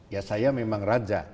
ya saya memang raja